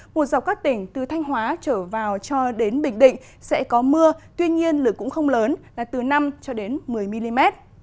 một dọc các tỉnh từ thanh hóa trở vào cho đến bình định sẽ có mưa tuy nhiên lực cũng không lớn là từ năm một mươi mm